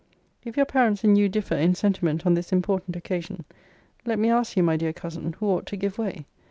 If your parents and you differ in sentiment on this important occasion, let me ask you, my dear cousin, who ought to give way?